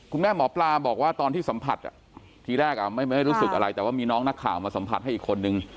หมอปลาบอกว่าตอนที่สัมผัสทีแรกไม่รู้สึกอะไรแต่ว่ามีน้องนักข่าวมาสัมผัสให้อีกคนนึง